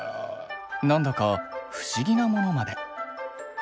なんだか不思議なものまで。